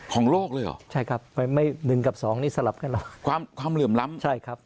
ของโลกเลยเหรอความเหลื่อมล้ำใช่ครับไปไม่หนึ่งกับสองนี่สลับกันแล้ว